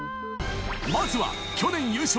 まずは去年優勝